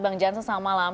bang jansen selamat malam